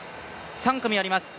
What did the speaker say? ３組あります。